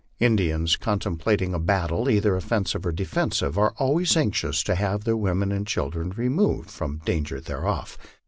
Indians contemplating a battle, either offensive or defensive, are always anxious to have their women and children removed from all danger thereof.